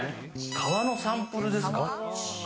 革のサンプルですか。